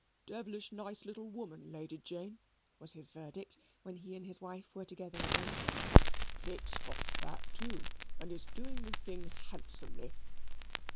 "Dev'lish nice little woman, Lady Jane," was his verdict, when he and his wife were together again. "Pitt's got fat, too, and is doing the thing handsomely."